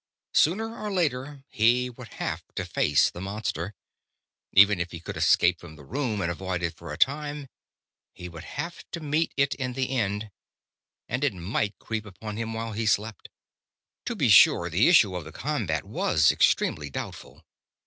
Sooner or later, he would have to face the monster. Even if he could escape from the room and avoid it for a time, he would have to meet it in the end. And it might creep upon him while he slept. To be sure, the issue of the combat was extremely doubtful.